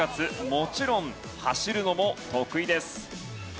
もちろん走るのも得意です。